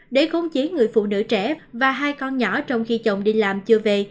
để khống chế người phụ nữ trẻ và hai con nhỏ trong khi chồng đi làm chưa về